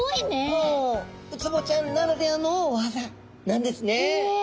もうウツボちゃんならではのわざなんですね。